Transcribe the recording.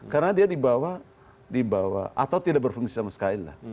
karena dia dibawa atau tidak berfungsi sama sekali lah